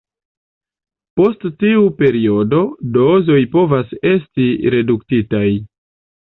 Post tiu periodo, dozoj povas esti reduktitaj.